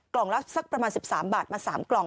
กล่องละสักประมาณ๑๓บาทมา๓กล่อง